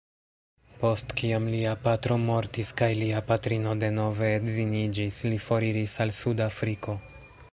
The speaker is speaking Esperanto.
Post kiam lia patro mortis kaj lia patrino denove edziniĝis, li foriris al Sud-Afriko.